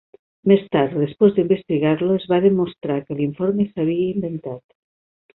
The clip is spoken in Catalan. Més tard, després d'investigar-lo, es va demostrar que l'informe s"havia inventat.